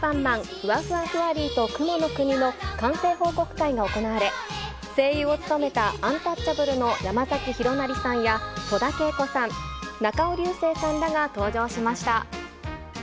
ふわふわフワリーと雲の国の完成報告会が行われ、声優を務めたアンタッチャブルの山崎弘也さんや戸田恵子さん、中尾隆聖さんらが登場しました。